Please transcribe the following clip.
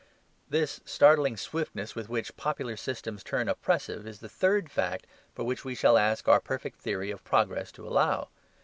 This startling swiftness with which popular systems turn oppressive is the third fact for which we shall ask our perfect theory of progress to allow.